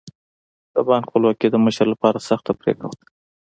د بانک خپلواکي د مشر لپاره سخته پرېکړه وه.